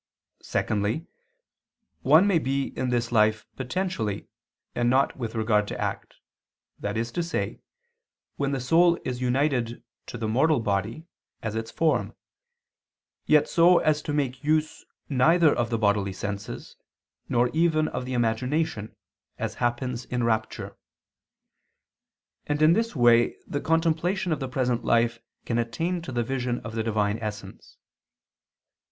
Secondly, one may be in this life potentially and not with regard to act, that is to say, when the soul is united to the mortal body as its form, yet so as to make use neither of the bodily senses, nor even of the imagination, as happens in rapture; and in this way the contemplation of the present life can attain to the vision of the Divine essence.